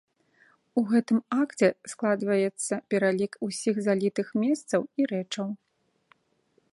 У гэтым акце складваецца пералік усіх залітых месцаў і рэчаў.